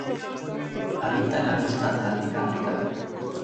Habita en la costa atlántica africana.